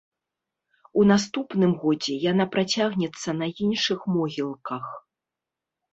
У наступным годзе яна працягнецца на іншых могілках.